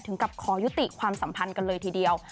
กับขอยุติความสัมพันธ์กันเลยทีเดียว